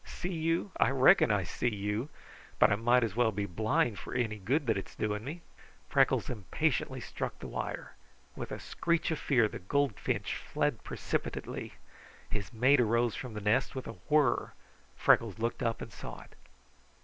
'See you?' I reckon I see you; but I might as well be blind, for any good it's doing me!" Freckles impatiently struck the wire. With a screech of fear, the goldfinch fled precipitately. His mate arose from the nest with a whirr Freckles looked up and saw it.